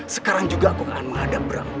sekarang juga aku akan menghadap brahm